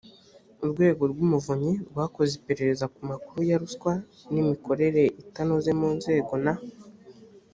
urwego rw’umuvunyi rwakoze iperereza ku makuru ya ruswa n’imikorere itanoze mu nzego na